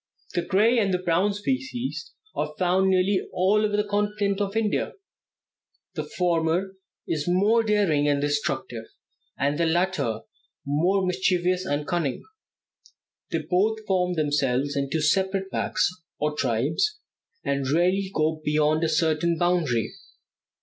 The gray and the brown species are found nearly all over the continent of India; the former is more daring and destructive, and the latter more mischievous and cunning. They both form themselves into separate packs, or tribes, and rarely go beyond a certain boundary.